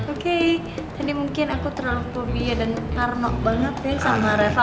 oke tadi mungkin aku terlalu phobia dan parno banget ya sama raifah